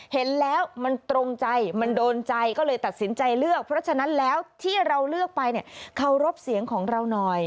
เห็นแล้วมันตรงใจมันโดนใจก็เลยตัดสินใจเลือกเพราะฉะนั้นแล้วที่เราเลือกไปเนี่ยเคารพเสียงของเราหน่อย